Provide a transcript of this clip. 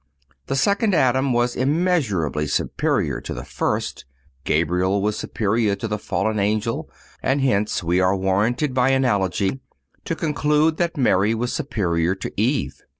The second Adam was immeasurably superior to the first, Gabriel was superior to the fallen Angel, and hence we are warranted by analogy to conclude that Mary was superior to Eve.